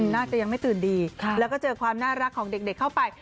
น่าจะยังไม่ตื่นดีแล้วก็เจอความน่ารักของเด็กเข้าไป